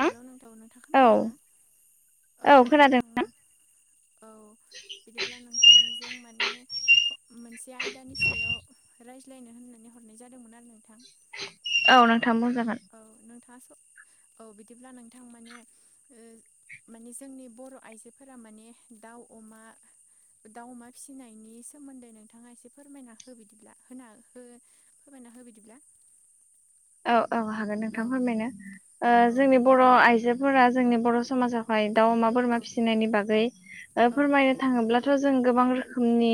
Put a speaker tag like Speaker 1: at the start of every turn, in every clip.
Speaker 1: औ
Speaker 2: हेल' नोंथौ नोंथां खोनादों ना औ नोंथां। औ
Speaker 1: [inaudible]
Speaker 2: बिदिब्ला नोंथांजों माने मोनसे आयदानि सायाव रायज्लायनो होननानै हरनाय जादोंमोन आरो नोंथां।
Speaker 1: औ नोंथाङा बुंजागोन।
Speaker 2: औ नोंथाङा स औ बिदिब्ला नोंथां माने ओ माने जोंनि बर' आइजोफोरा माने दाउ अमा दाउ अमा फिसिनायनि सोमोन्दै नोंथाङा एसे फोरमायना हो बिदिब्ला होना हो। होबायना होबिदिब्ला।
Speaker 1: औ औ हागोन
Speaker 2: औ
Speaker 1: नोंथां फोरमायनो ओ
Speaker 2: औ
Speaker 1: जोंनि बर' आइजोफोरा जोंनि बर' समाजाव ओमाय दाउ अमा
Speaker 2: औ
Speaker 1: बोरमा फिसिनायनि बागै
Speaker 2: औ
Speaker 1: फोरमायनो थाङोब्लाथ' जों गोबां रोखोमनि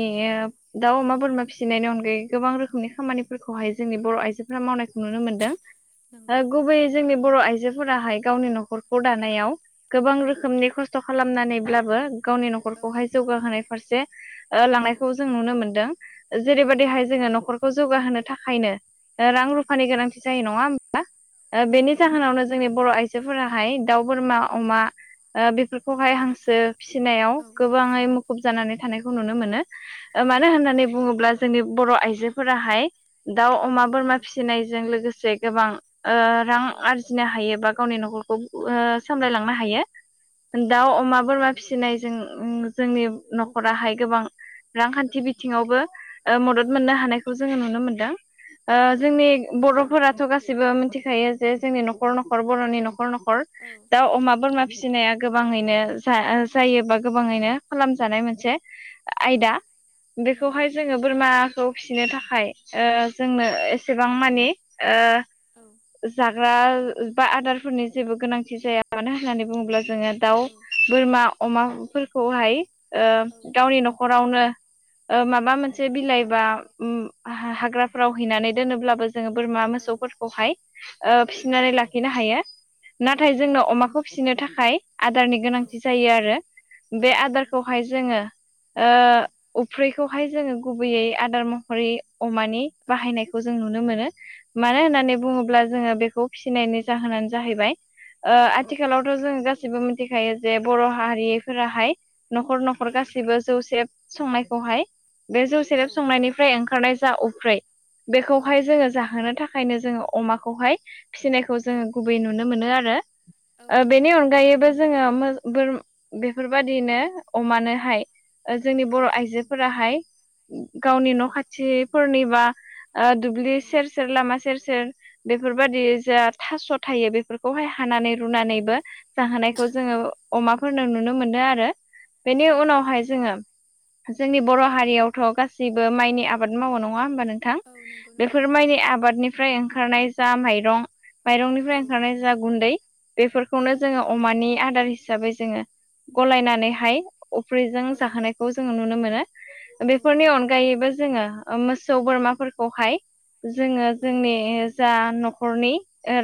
Speaker 1: दाउ
Speaker 2: औ
Speaker 1: अमा बोरमा फि थिनायनि अनगायै गोबां रोखोमनि खामानिफोरखौहाय जोंनि बर' आइजोफोरा मावनायखौ नुनो मोनो।
Speaker 2: नंगौ
Speaker 1: गुबैयै जोंनि बर' आइजोफोराहाय गावनि न'खरखौ दानायाव गोबां
Speaker 2: औ
Speaker 1: रोखोमनि खस्थ' खालामनानैब्लाबो गावनि
Speaker 2: औ
Speaker 1: न'खरखौहाय जौगाहोनाय फारसे
Speaker 2: औ
Speaker 1: लांनायखौ जों नुनो मोनदों
Speaker 2: औ नंगौ
Speaker 1: जेरैबायदिहाय जोङो न'खरखौ खौ जौगाहोनो थाखायनो रां
Speaker 2: औ
Speaker 1: रुफानि गोनांथि जायो नङा होमा बेनि
Speaker 2: नंगौ नोंथां
Speaker 1: जाहोनावनो जोंनि बर' आइजो बिायसफोराहाय दाउ बोरमा अमा बेफोरखौहाय
Speaker 2: औ
Speaker 1: हांसो फिसिनायाव
Speaker 2: औ
Speaker 1: गोबां मुखुब जानानै थानायखौ नुनो मोनो मानो
Speaker 2: नंगौ
Speaker 1: होननानै बुङोब्ला जोंनि बर' आइजोफोराहाय दाउ अमा
Speaker 2: औ
Speaker 1: बोरमा फिसिनायजों लोगोसे गोबां रां
Speaker 2: औ
Speaker 1: आरि फिनो हायो बा गावनि न'खरखौ सामलायलांनो हायो
Speaker 2: औ
Speaker 1: दाउ अमा बोरमा फिसिनायजों जोंनि न'खराहाय गोबां रांखान्थि बिथिङावबो
Speaker 2: औ
Speaker 1: मदद मोननो हानायखौ जोङो नुनो मोनदों
Speaker 2: औ
Speaker 1: जोंनि
Speaker 2: नंगौ
Speaker 1: बर' फोरथ' गाैबो मिथिखायो जे जोंनि न'खर न'खर बर'नि न'खर न'खर
Speaker 2: औ
Speaker 1: अमा बोरमा फिसिनाया गोबाङैनो
Speaker 2: औ
Speaker 1: जायोबा गोबाङैनो खालामजानाय मोनसे
Speaker 2: औ
Speaker 1: आयदा
Speaker 2: नंगौ
Speaker 1: बेखौहाय जोङो बोरमाखौ फिसिनो थाखाय जोंनो एसेबां मानिे
Speaker 2: औ
Speaker 1: जाग्रा बा आदारफोरनि जेबो गोनांथि जाया मानो होननानै बुङोब्ला जोङो दाउ
Speaker 2: औ
Speaker 1: बोरमा अमाफोरखौहाय
Speaker 2: औ
Speaker 1: गावनि न'खरावनो माबा मोनसे बिलाइ बा हाग्राफ्राव हैनानै दोनोब्लाबो जोङो बोरमा मोसौफोरखौहाय
Speaker 2: औ
Speaker 1: फिसिनानै लाखिनो हायो नाथाय
Speaker 2: नंगौ
Speaker 1: जोंनो
Speaker 2: नोंथां
Speaker 1: अमाखौ फिसिनो थाखाय आदारनि
Speaker 2: औ
Speaker 1: गोनांथि जायो आरो
Speaker 2: औ
Speaker 1: बे
Speaker 2: नंगौ
Speaker 1: आदारखौहाय जोङो उफ्रिखौहाय जोङो गुबैयै आदार महरै अमानि
Speaker 2: औ
Speaker 1: बाहायनायखौ जों नुनो मोनो मानो
Speaker 2: नंगौ
Speaker 1: होननानै
Speaker 2: नोंथां
Speaker 1: बुङोब्ला जोङो बेखौ फिसिनायनि जाहोनानो जाहैबाय
Speaker 2: औ
Speaker 1: आथिखाल आथिखालावथ' जों गासिबो मिथिखायो जे बर' हारिफोराहाय न'खर न'खर न
Speaker 2: औ
Speaker 1: गासिबो जौसेब संनायखौहाय बे
Speaker 2: औ
Speaker 1: जौसेेरेब संनायनिफ्राय ओंखारनाय जा
Speaker 2: औ
Speaker 1: बेखौहाय
Speaker 2: नंगौ
Speaker 1: जोङो जाहोनो थाखायनो जोङो अमाखौहाय फिसिनायखौ
Speaker 2: औ
Speaker 1: जोङो नुनो मोनो आरो
Speaker 2: औ नंगौ
Speaker 1: बेनि
Speaker 2: नोंथां नंगौ
Speaker 1: अनगायैबो जोङो बोर बेफोरबायाददिनो अमानोहाय जोंनि
Speaker 2: औ
Speaker 1: बर' आइजोफोराहाय गावनि
Speaker 2: औ
Speaker 1: न' खाथिफोरनि बा दुब्लि
Speaker 2: औ
Speaker 1: सेर सेर लामा सेर सेर बेफोरबाददि जा थास' थायो बेफोर खौहाय
Speaker 2: औ
Speaker 1: हानानै रुनानैबो जाहोनायखौ जोङो अमाफोरनो नुनो मोनदों आरो
Speaker 2: औ
Speaker 1: बेनि
Speaker 2: नंगौ
Speaker 1: उनावहाय
Speaker 2: नोंथां
Speaker 1: जोङो जोंनि बर' हारियावथ' गासैबो माइनि आबाद मावो नङा होमबा नोंथां
Speaker 2: औ नंगौ नोंथां
Speaker 1: बेफोर
Speaker 2: नंगौ
Speaker 1: माइनि आबादनिफ्राय ओंखारनाय जा माइरं माइरंनिफ्राय
Speaker 2: औ
Speaker 1: ओंखारनाय जा गुन्दै
Speaker 2: औ
Speaker 1: बेफोरखौनो जोङो अमानि आदार हिसाबै जोङो गलायनानैहाय अफ्रिजों
Speaker 2: औ
Speaker 1: जाहोनाय खौ जोङो नुनो मोनो
Speaker 2: औ
Speaker 1: बेफोरनि
Speaker 2: नंगौ
Speaker 1: अनगायैबो जोङो ओ मोसौ बोरमाफोरखौहाय जोङो
Speaker 2: औ
Speaker 1: जोंनि जा नखरनि ओ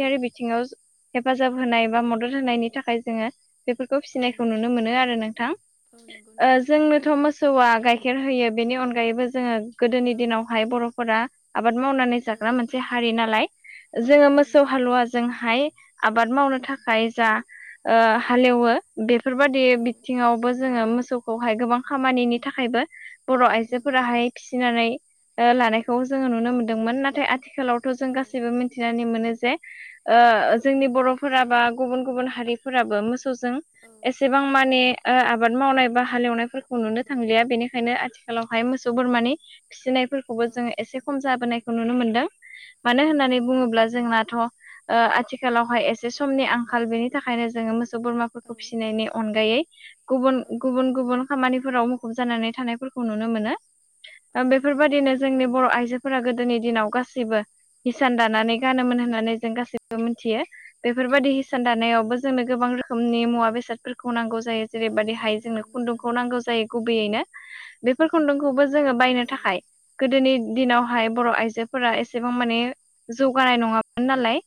Speaker 2: औ
Speaker 1: बिथिङाव हेफाजाब होनाय बा मदद होनायनि थाखाय जोङो बेफोरखौ
Speaker 2: औ
Speaker 1: फिसिनायखौ
Speaker 2: नंगौ
Speaker 1: नुनो मोनो आरो नोंथां
Speaker 2: औ नंगौ
Speaker 1: ओ
Speaker 2: नोंथां
Speaker 1: जोंनोथ' मो सौवा गाइखेर होयो बेनि अनगायैबो जोङो गोदोनि
Speaker 2: औ
Speaker 1: दिनावहाय बर'फोरा आबाद मावनानै जाग्रा
Speaker 2: औ
Speaker 1: मोनसे हारि नालाय जोङो
Speaker 2: औ
Speaker 1: मोसौ
Speaker 2: नंगौ नोंथां
Speaker 1: हालुवा जोंहाय आबाद मावनो थाखाय जा
Speaker 2: औ
Speaker 1: हालेवो बेफोरबायदि
Speaker 2: औ
Speaker 1: बिथिङावबो जोङो मोसौ खौहाय गोबां खामानिनि थाखायबो बर'
Speaker 2: नंगौ
Speaker 1: आइजोफोराहाय फिसिनानै ओ लानायखौ जोङो नुनो मोनदोंमोन नाथाय आथिखालावथ' जों
Speaker 2: औ
Speaker 1: गासैबो मिनथिनानै मोनो जे ओ
Speaker 2: औ
Speaker 1: जोंनि
Speaker 2: नंगौ
Speaker 1: बर'फोरा बा गुबुन गुबुन हारि सफोराबो मोसौजों एसेबां माने ओ आबाद मावनाय बा हालेवनायफोरखौ नुनो थांलिया बेनिखायनो आथिखालावहाय मोसौ बोरमानि फिसिनायफोर खौबो
Speaker 2: औ
Speaker 1: जोङो एसे खम जाबोनायखौ नुनो मोनदों मानो
Speaker 2: नंगौ
Speaker 1: होननानै बुङोब्ला जोंनाथ' ओ आथिखालावहाय एसे समनि आंखाल बेनि थाखायनो जोंङो मोसौ बोरमाखौ
Speaker 2: औ
Speaker 1: फिसिनायनि अनगायै गुबन
Speaker 2: औ नंगौ
Speaker 1: गुबुन
Speaker 2: नोंथां
Speaker 1: गुबुन खामानिफोराव मुखुब जानानै थानायफोरखौ नुनो मोनो
Speaker 2: औ नंगौ
Speaker 1: बेफोरबायदिनो जोंनि बर' आइजो फोरि गोदोनि दिनाव गासैबो हिसान
Speaker 2: औ
Speaker 1: दानानै गानोमोन होननानै जों गासैबो मोनथियो
Speaker 2: नंगौ
Speaker 1: बेफोरबायदि हिसान
Speaker 2: नोंथां
Speaker 1: दानायावबो जोंनो गोबां रोखोमनि मुवा बेसादफोरखौ नांगौ जायो।
Speaker 2: औ औ
Speaker 1: जेरैबायदिहाय जोंनो
Speaker 2: नंगौ नोंथां
Speaker 1: खुन्दुंखौ नांगौ जायो गुबैयैनो बेफोर खुन्दुंखौबो जोंङो बायनो
Speaker 2: औ
Speaker 1: थाखाय गोदोनि दिनाव हाय बर' आइजोफोरा एसेबां माने जौगानाय नङामोन नालाय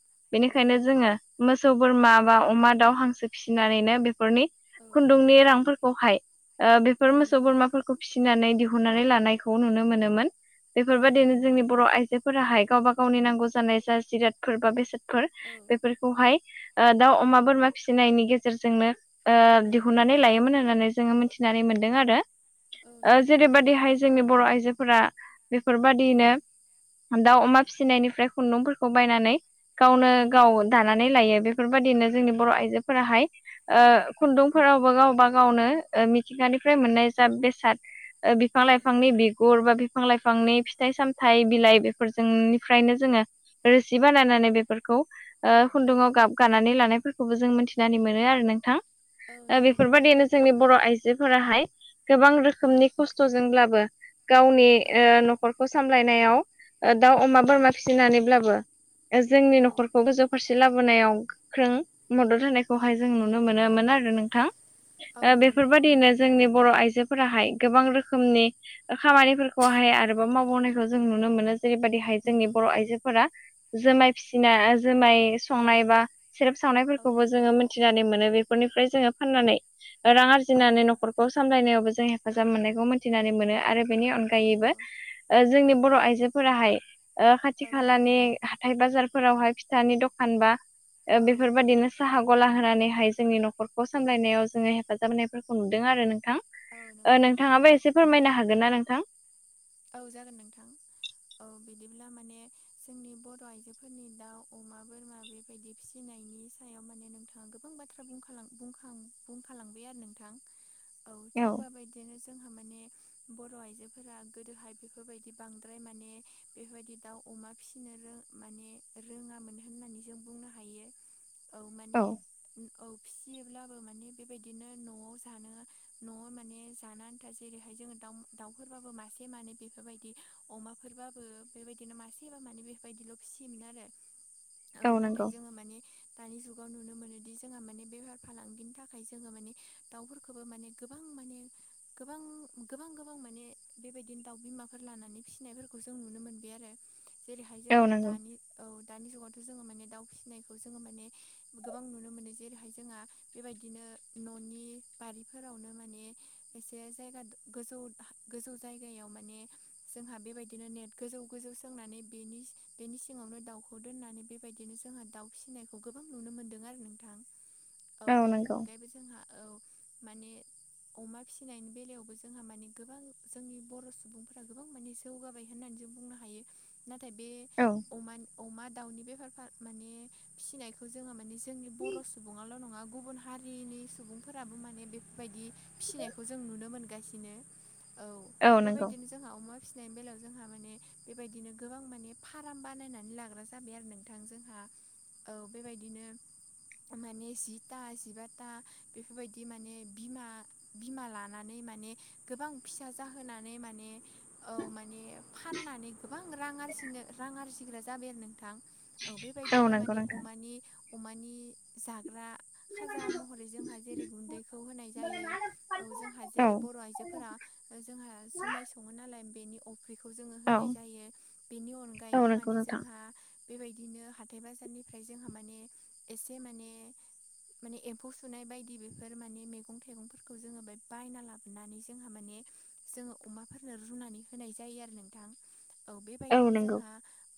Speaker 2: औ
Speaker 1: बेनिखायनो जोङो मोसौ बोरमा बा अमा दाउ हांसो फिसिनानैनो बेफोरनि
Speaker 2: औ
Speaker 1: खुन्दुंनि रांफोरखौहाय ओ बेफोर
Speaker 2: औ
Speaker 1: मोसौ
Speaker 2: नंगौ
Speaker 1: बोरमाफोरखौ फिसिनानै दिहुननानै लानायखौ नुनो मोनोमोन
Speaker 2: औ
Speaker 1: बेफोरबायदिनो
Speaker 2: नंगौ
Speaker 1: जोंनि
Speaker 2: थारैनो
Speaker 1: बर' आइजोफोराहाय गावबा गावनि नांगौ जानाय जा जिरादफोर बा बेसादफोर
Speaker 2: औ
Speaker 1: बेफोर खौहाय ओ दाउ अमा बोरमा फिसिनायनि गेजेरजोंनो ओ
Speaker 2: औ
Speaker 1: दिहुननानै लायोमोन होननानै जोङो मिथिनानै मोनदों आरो
Speaker 2: औ नंगौ नोंथां
Speaker 1: जेरैबायदिहाय जोंनि बर' आइजोफोरा
Speaker 2: औ
Speaker 1: बेफोरबायदियैनो दाउ अमा फिसिनायनिफ्राय खुन्दुंफोरखौ बायनानै गावनो
Speaker 2: औ
Speaker 1: गाव दानानै लायो बेफोरबादिनो जोंनि बर' आइजोफोराहाय ओ
Speaker 2: औ
Speaker 1: खुन्दुंफोरावबो गावबा गावनो ओ मिथिंगानिफ्राय मोननाय जा बेसाद बिफां
Speaker 2: औ
Speaker 1: लाइफांनि बिगुर बा बिफां लाइफांनि फिथाइ साम फिथाइ बिलाइ बेफोरजोंनिफ्रायनो जोङो रोसि बानायनानै बेफोरखौ ओ
Speaker 2: औ
Speaker 1: खुन्दुङाव गाब गानानै लानायफोरखौबो जों मिथिनानै मोनो आरो नोंथां
Speaker 2: औ नंगौ नोंथां
Speaker 1: बेफोरबादिनो जोंनि बर' आइजोफोराहाय गोबां
Speaker 2: औ
Speaker 1: रोखोमनि खस्थ'जोंब्लाबो गावनि
Speaker 2: औ
Speaker 1: ओ नखरखौ सामलायनायाव दाउ अमा बोरमा फिसिनानैब्लाबो जोंनि नखरखौ गोजौ फारसे लाबोनायाव गोख्रों मदद
Speaker 2: औ
Speaker 1: होनायखौहाय जों नुयो नुनो मोनोमोन आरो नोंथां
Speaker 2: औ
Speaker 1: ओ
Speaker 2: नंगौ नोंथां
Speaker 1: बेफोरबादिनो जोंनि बर' आइजोफोराहाय गोबां रोखोमनि खामानिफोरखौहाय
Speaker 2: औ
Speaker 1: आरोबाव मावबावनाय खौ जों नुनो मोनो जेरैबायदिहाय जोंनि
Speaker 2: नंगौ
Speaker 1: बर' आइजोफोरा जुमाय फिसिना जुमाय
Speaker 2: औ
Speaker 1: संनाय बा सेरेब
Speaker 2: औ
Speaker 1: सावनायफोरखौबो
Speaker 2: नंगौ
Speaker 1: जोङो मोनथिनानै मोनो बेफोरनिफ्राय जोङो फाननानै रां
Speaker 2: औ
Speaker 1: आरजिनानै
Speaker 2: नंगौ
Speaker 1: नखरखौ सामलायनायावबो जों हेफाजाब मोननायखौ मोनथिनानै मोनो आरो बेनि
Speaker 2: औ
Speaker 1: अनगायैबो
Speaker 2: नंगौ
Speaker 1: ओ जोंनि
Speaker 2: औ
Speaker 1: बर' आइजोफोराहाय खाथि
Speaker 2: औ नंगौ
Speaker 1: खालानि हाथाय बाजारफोरावहाय फिथानि दखान बा ओ
Speaker 2: औ
Speaker 1: बेफोरबायदिनो साहा गला होनानैहाय जोंनि नखरखौ
Speaker 2: औ
Speaker 1: सामलायनायाव जोंङो हेफाजाब होनायफोरखौ नुदों आरो नोंथां
Speaker 2: औ
Speaker 1: ओ
Speaker 2: नंगौ नोंथां
Speaker 1: नोंथाङाबो
Speaker 2: नंगौ
Speaker 1: एसे फोरमायनो हागोन ना नोंथां
Speaker 2: औ जागोन नोंथां औ बिदिब्ला माने जोंनि बर' आइजोफोरनि दाउ अमा बोरमा बे बिदि फिसिनायनि सायाव माने नोंथाङा गोबां बाथ्रा बुंखालांबाय आरो नोंथां।
Speaker 1: [inaudible]
Speaker 2: औ थिग बेबायदिनो जोंहा माने बर' आइजोफोरा गोदोहाय बेफोरबायदि बांद्राय माने बेफोरबायदि दाउ अमा फिसिनो रोङा माने रोङामोन होननानै जों बुंनो हायो
Speaker 1: [inaudible]
Speaker 2: औ माने औ फिसियोब्लाबो माने बेबायदिनो न'आव जानो न'आव माने जानो आनथा जेरैहाय जोंङो दाउ दाउफोरबाबो मासे मासे मानै बेफोरबायदि अमाफोरबाबो बेबायदिनो मासेबा मानै बेफोरबायदिल' फिसियोमोन आरो।
Speaker 1: [inaudible]
Speaker 2: औ नाथाय जोंङो माने दानि जुगाव नुनो मोनोदि जोंहा माने बेफार फालांगिनि थाखाय जोंङो माने दाउफोरखौबो माने गोबां माने गोबां गोबां गोबां माने बेबायदिनो दाउ बिमाफोर लानानै फिसिनायफोरखौ जों नुनो मोनबाय आरो जेरैहाय
Speaker 1: औ
Speaker 2: जोंहा
Speaker 1: नंगौ
Speaker 2: दानि औ दानि जुगावथ' जोङो माने दाउ फिसिनायखौ जोङो माने गोबां नुनो मोनो जेरैहाय जोंहा बेबायदिनो न'नि बारिफोरावनो माने एसे जायगा गोजौ गोजौ जायगायाव माने जोंहा बेबायदिनो नेट गोजौ गोजौ सोंनानै बेनि बेनि सिङावनो दाउखौ दोननानै बेबायदिनो जोंहा दाउ फिसिनायखौ गोबां नुनो मोनदों आरो नोंथां।
Speaker 1: [inaudible]
Speaker 2: औ बेनि
Speaker 1: नंगौ
Speaker 2: अनगायैबो जोंहा औ माने अमा फिनायनि बेलायावबो जोंहा माने गोबां जोंनि बर' सुबुंफोरा गोबां माने जौगाबाय होननानै जों बुंनो हायो नाथाय बे
Speaker 1: औ
Speaker 2: अम अमा दाउनि बेफार माने फिसिनायखौ जोङो माने जोंनि बर' सुबुङाल' नङा गुबुन हारिनि सुबुंफोराबो माने बेफोरबायदि फिसिनायखौ जों नुनो मोनगासिनो औ
Speaker 1: औ नंगौ
Speaker 2: बेबायदिनो जोंहा अमा फिसिनायनि बेलायाव जोंहा माने बेबायदिनो गोबां माने फाराम बानायनानै लाग्रा जाबाय आरो नोंथां जोंहा औ बेबायदिनो माने जिथा जिबाथा बेफोरबायदि माने बिमा बिमा लानानै माने गोबां फिसा जाहोनानै माने औ माने फाननानै गोबां रां आरजिनो रां आरजिग्रा जाबाय आरो नोंथां औ बेबायदिनो
Speaker 1: नंगौ
Speaker 2: माने
Speaker 1: नोंथां
Speaker 2: अमानि अमानि जाग्रा खाजा महरै जोंहा जेरै गुन्दैखौ होनाय जायो औ जोंहा
Speaker 1: औ
Speaker 2: जेरै बर' आइजोफोरा जोंहा जुमाय सङो नालाय बेनि फुख्रिखौ जोङो
Speaker 1: औ
Speaker 2: होनाय जायो बेनि
Speaker 1: औ
Speaker 2: अनगायैबो
Speaker 1: नंगौ
Speaker 2: माने
Speaker 1: नोंथां
Speaker 2: जोंहा बेबायदिनो हाथाइ बाजारनिफ्राय जोंहा माने एसे माने माने एम्फौ सुनाय बायदि बेफोर माने मैगं थाइगंफोरखौ जोङो बेाय बायना लाबोनानै जोंहा माने जोङो अमाफोरनो रुनानै होनाय जायो आरो नोंथां औ
Speaker 1: औ
Speaker 2: बेबायदिनो
Speaker 1: नंगौ
Speaker 2: जोंहा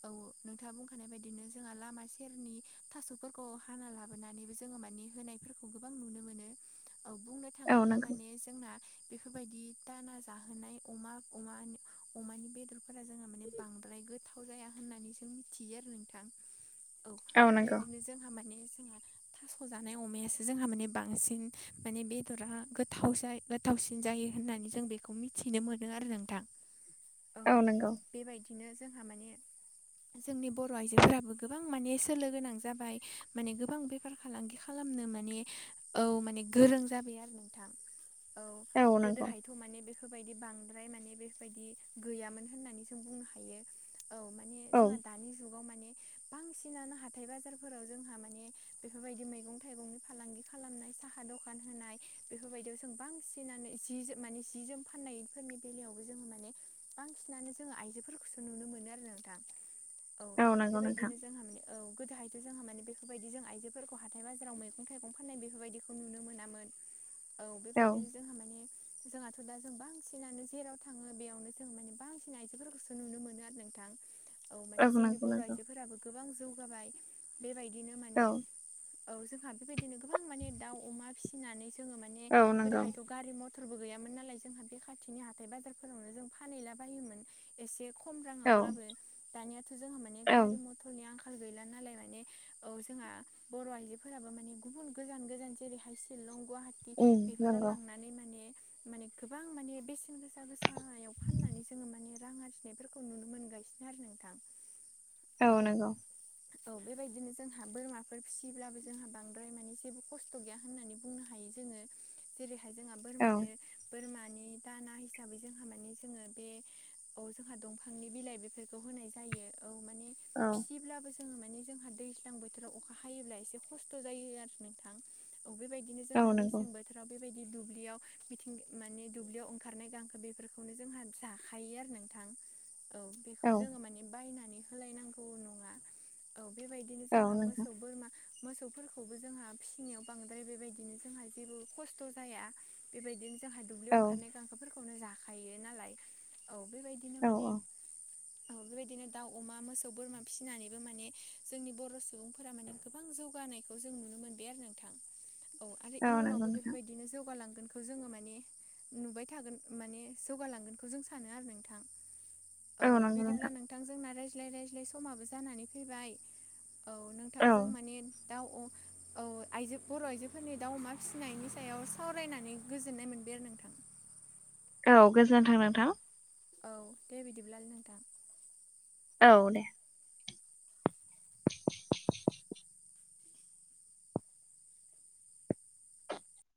Speaker 2: औ नोंथाङा बुंखानाय बायदिनो जोंहा लामा सेरनि थास'फोरखौ हाना लाबोनानैबो जोङो मानि होनाय फोरफोरखौ गोबां नुनो मोनो औ बुंनो
Speaker 1: औ
Speaker 2: थाङोब्ला
Speaker 1: नंगौ
Speaker 2: माने जोंना बेफोरबायदि दाना जाहोनाय अमा अमा अमानि बेदरफोरा जोंहा माने बांद्राय गो थाव जाया होननानै जों मिथियो आरो नोंथां।
Speaker 1: [inaudible]
Speaker 2: औ
Speaker 1: नंगौ
Speaker 2: बेबायदिनो जोंहा माने जोंहा थास' जानाय अमायासो जोंहा माने बांसिन माने बेदरा गोथाव ज गोथावसिन जायो होननानै जों बेखौ मिथिनो मोनो आरो नोंथां औ बेबायदिनो जोंहा माने जोंनि बर' आइजोफोराबो गोबां माने सोलो गोनां जाबाय माने गोबां बेफार फालांगि खालामनो माने औ माने गोरों जाबाय आरो नोंथां। औ गोदोहाय थ' माने बेफोरबायदि बांद्राय माने बेफोरबायदि गैयामोन होननानै जों बुंनो हायो। औ माने
Speaker 1: औ
Speaker 2: जोंहा दानि जुगाव माने बांसिनानो हाथाइ बाजारफोराव जोंहा माने बेफोरबायदि मैगं थाइगंनि फालांगि खालामनाय सा दखान होनाय बेफोरबायदियाव जों बांसिन जि जोम माने सि जोम फाननायफोरनि बेलायावबो जोङो माने बांसिनानो जोङो आइजोफोरखौसो नुनो मोनो आरो औ
Speaker 1: नंगौ नोंथां
Speaker 2: बेबायदिनो जोंहा [unintelligible] औ गोदोहायथ' जोंहा माने बेफोरबायदि जों आइजोफोरखौ हाथाइ बाजाराव मैगं थाइगं फाननाय बेफोरबायदिखौ नुनो मोनामोन। औ बेबायदिनो जोंहा माने जोंहाथ' दा जों बांसिनानो जेराव थाङो बेयावनो जों माने बांसिन आइजोफोरखौसो नुनो मोनो आरो नोंथां। औ माने जोंनि
Speaker 1: नंगौ
Speaker 2: बर'
Speaker 1: नंगौ
Speaker 2: आइजोफोराबो गोबां जौगाबाय बेबायदिनो माने
Speaker 1: औ
Speaker 2: औ जोंहा बेबायदिनो गोबां माने दाउ अमा फिसिनानै जोङो माने
Speaker 1: औ नंगौ
Speaker 2: गोदोहायथ' गारि म टरबो गैयामोन नालाय जोंहा बे खाथिनि हाथाय बाजारफोरावनो जों फानहैला बायोमोन एसे खम
Speaker 1: औ
Speaker 2: राङावब्लाबो। दानियाथ' जोंहा माने
Speaker 1: औ
Speaker 2: गारि मथर बटलनि आंखाल गैला नालाय माने औ जोंहा बर' आइजोफोराबो माने गुबुन गोजान गोजान जेरैहाय शिलं गुवाहाटि
Speaker 1: उम
Speaker 2: बेफोराव
Speaker 1: नंगौ
Speaker 2: लांनानै माने माने गोबां माने बेसेन गोसा गोसायाव फाननानै जोङो माने रां आरजिनायफोरखौ नुनो मोनगासिनो आरो नोंथां। औ। औ बेबायदिनो जोंहा बोरमाफोर फिसियोब्लाबो जोंहा बांद्राय माने जेबो खस्थ' गैया होननानै बुंनो हायो जोङो। जेरैहाय जोंहा
Speaker 1: औ
Speaker 2: बोरमानो बोरमानि दाना हिसाबै जोंहा माने जोङो बे औ जोंहा दंफांनि बिलाइ बेफोरखौ होनाय जायो औ माने
Speaker 1: औ
Speaker 2: ब्लाबो जोङो माने जोंहा दैज्लां बोथोराव अखा हायोब्ला एसे खस्थ' जायो आरो नोंथां‌। औ बेबायदिनो
Speaker 1: औ
Speaker 2: जोंहा
Speaker 1: नंगौ
Speaker 2: मेसें बोथोराव बेबायदि दुब्लियाव मिथिं माने दुब्लियाव ओंखारनाय गांखो बेफोरखौनो जोंहा जाखायो आरो नोंथां। औ बेखौ
Speaker 1: औ
Speaker 2: जोङो माने बायनानै होलायनांगौ नङा। औ बेबायदिनो
Speaker 1: औ
Speaker 2: जोंहा
Speaker 1: नोंथां
Speaker 2: मोसौ बोरमा मोसौफोरखौबो जोंहा फिसिनायाव बांद्राय बेबायदिनो जोंहा जेबो खस्थ' जाया। बेबायदिनो जोंहा
Speaker 1: औ
Speaker 2: दुब्लियाव ओंखारनाय गांसोफोरखौनो जाखायो नालाय। औ बेबायदिनो
Speaker 1: औ
Speaker 2: माने ओ बेबायदिनो दाउ अमा मोसौ बोरमा फिसिनानैबो माने जोंनि बर' सुबुंफोरा माने गोबां जौगानायखौ जों नुनो मोनबाय आरो नोंथां। औ आरो
Speaker 1: नंगौ
Speaker 2: इयुनावबो
Speaker 1: नोंथां
Speaker 2: बेफोरबायदिनो जौगालांगोन खौ जोङो माने नुबाय थागोन माने जौगालांगोनखौ जों सानो आरो नोंथां। औ बिदिब्ला नोंथां जोंना रायज्लाय रायज्लाय समाबो जानानै फैबाय औ नों
Speaker 1: औ
Speaker 2: थांजों माने दाउ औ आइजो बर' आइजोफोरनि दाउ अमा फिसिनायनि सायाव सावरायनानै गोजोननाय मोनबाय आरो नोंथां।
Speaker 1: औ गोजोन्थों नोंथां।
Speaker 2: औ दे बिदिब्लालाय नोंथां।
Speaker 1: औ दे।